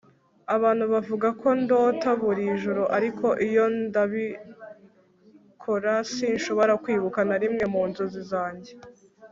Abantu bavuga ko ndota buri joro ariko iyo ndabikora sinshobora kwibuka na rimwe mu nzozi zanjye